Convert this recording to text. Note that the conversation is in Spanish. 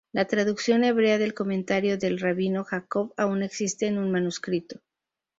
La traducción hebrea del comentario del Rabino Jacob aun existe en un manuscrito.